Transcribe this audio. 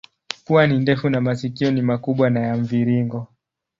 Pua ni ndefu na masikio ni makubwa na ya mviringo.